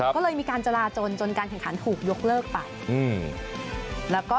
ก็เลยมีการจราจนจนการแข่งขันถูกยกเลิกไป